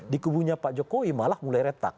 di kubunya pak jokowi malah mulai retak